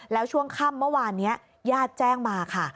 แล้วช่วงค่ำเมื่อวานนี้ญาติแจ้งมาค่ะ